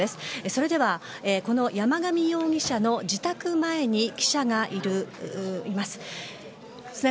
それではこの山上容疑者の自宅前に記者がいます。